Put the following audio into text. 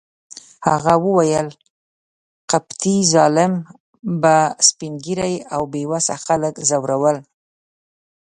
هغه وویل: قبطي ظالم به سپین ږیري او بې وسه خلک ځورول.